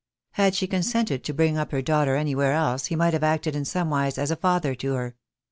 Had she con sented to bring up her daughter anywhere else he might have acted in somewise as a father to her.